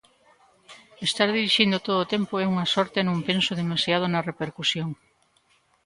Estar dirixindo todo o tempo é unha sorte e non penso demasiado na repercusión.